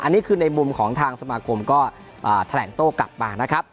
อันนี้คือในมุมของทางสมาคมก็แถลงโต้กลับมานะครับ